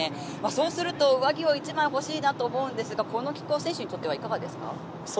そうすると上着を一枚欲しいなと思うんですがこの気候は選手にとってはいかがですか？